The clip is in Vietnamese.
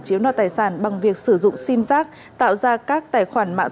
chiếm đoạt tài sản bằng việc sử dụng simsác tạo ra các tài khoản mạng